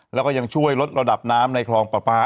แล้วก็ยังช่วยลดระดับน้ำในคลองประปา